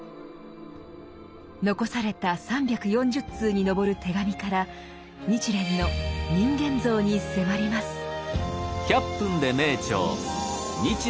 残された３４０通に上る手紙から日蓮の人間像に迫ります。